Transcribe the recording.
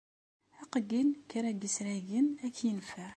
Aqeyyel n kra n yisragen ad k-yenfeɛ.